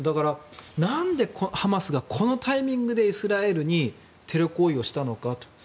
何でハマスがこのタイミングでイスラエルにテロ攻撃をしたのかと。